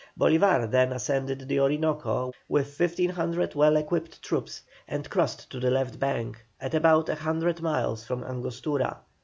Bolívar then ascended the Orinoco with 1,500 well equipped troops, and crossed to the left bank, at about a hundred miles from Angostura.